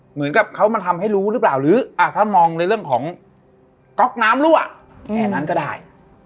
เหมือนกับเขามาทำให้รู้หรือเปล่าหรือถ้ามองในเรื่องของก๊อกน้ำรั่วแค่นั้นก็ได้